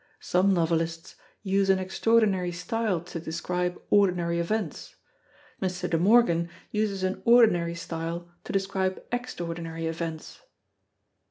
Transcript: Some novelists use an extraordinary style to describe ordinary events; Mr. De Morgan uses an ordinary style to describe extraordinary events.